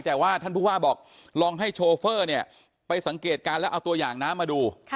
แต่ว่าท่านผู้ว่าบอกลองให้โชเฟอร์เนี่ยไปสังเกตการณ์แล้วเอาตัวอย่างน้ำมาดู